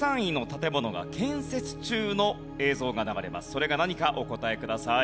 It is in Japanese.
それが何かお答えください。